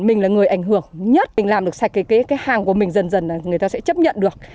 mình là người ảnh hưởng nhất mình làm được sạch cái hàng của mình dần dần là người ta sẽ chấp nhận được